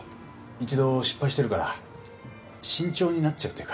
１度失敗してるから慎重になっちゃうというか。